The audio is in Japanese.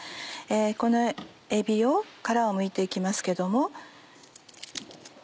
このえびを殻をむいて行きますけども。